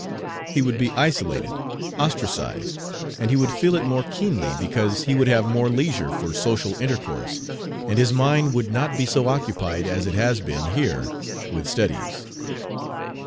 He would be isolated ostracized and he would feel it more keenly, because he would have more leisure for social intercourse, and his mind would not be so occupied as it has been here with studies.